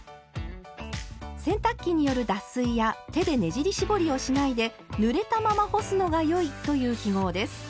洗濯機による脱水や手でねじり絞りをしないで「ぬれたまま干すのがよい」という記号です。